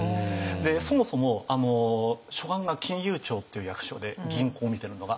でそもそも所管が金融庁っていう役所で銀行見てるのが。